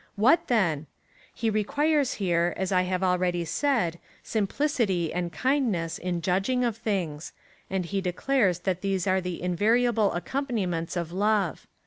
What then ? He requires here, as I have already said, simplicity and kindness in judging of things ; and he declares that these^ are the invariable accompaniments of love.